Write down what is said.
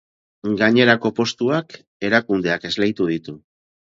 Gainerako postuak erakundeak esleitu ditu.